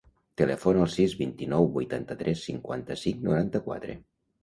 Telefona al sis, vint-i-nou, vuitanta-tres, cinquanta-cinc, noranta-quatre.